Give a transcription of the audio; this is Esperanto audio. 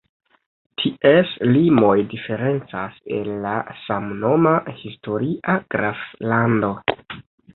Ties limoj diferencas el la samnoma historia graflando.